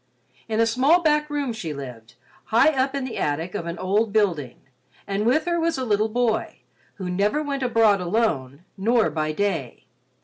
In a small back room she lived, high up in the attic of an old building, and with her was a little boy who never went abroad alone, nor by day.